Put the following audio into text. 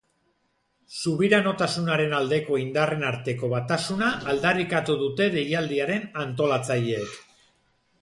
Subiranotasunaren aldeko indarren arteko batasuna aldarrikatu dute deialdiaren antolatzaileek.